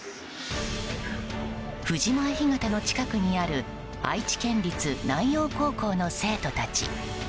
藤前干潟の近くにある愛知県立南陽高校の生徒たち。